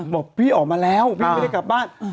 บอกพี่ออกมาแล้วพี่ไม่ได้กลับบ้าน